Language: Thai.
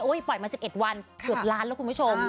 ปล่อยมา๑๑วันเกือบล้านแล้วคุณผู้ชม